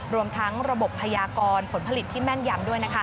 รวมทั้งระบบพยากรผลผลิตที่แม่นยำด้วย